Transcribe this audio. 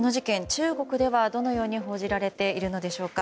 中国ではどのように報じられているのでしょうか。